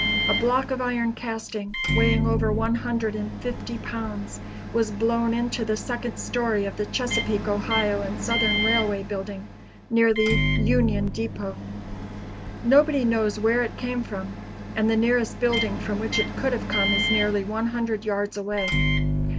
A block of iron casting, weighing over one hundred and fifty pounds, was blown into the second story of the Chesapeake, Ohio and Southern Railway building, near the Union Depot. Nobody knows where it came from, and the nearest building from which it could have come is nearly one hundred yards away.